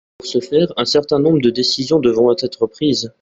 Pour ce faire, un certain nombre de décisions devront être prises.